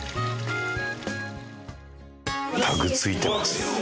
タグ付いてますよ。